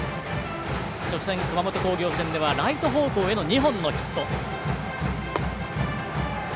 初戦、熊本工業戦ではライト方向への２本のヒット。